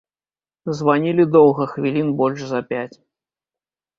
Званілі доўга, хвілін больш за пяць.